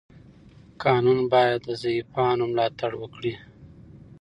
قانون باید د ضعیفانو ملاتړ وکړي.